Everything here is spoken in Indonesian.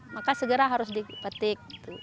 maka segera harus dipetik